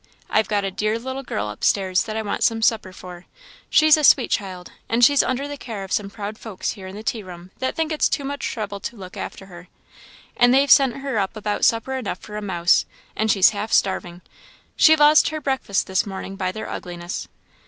I've got a dear little girl up stairs that I want some supper for she's a sweet child, and she's under the care of some proud folks here in the tea room that think it's too much trouble to look at her; and they've sent her up about supper enough for a mouse, and she's half starving; she lost her breakfast this morning by their ugliness.